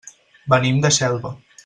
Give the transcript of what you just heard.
Venim de Xelva.